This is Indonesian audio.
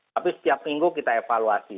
tapi setiap minggu kita evaluasi